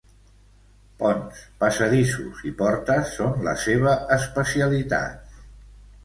Ponts, passadissos i portes són la seva especialitat.